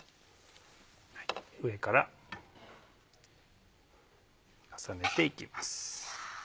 上から重ねて行きます。